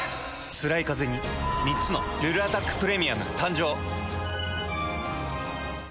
つらいカゼに３つの「ルルアタックプレミアム」誕生。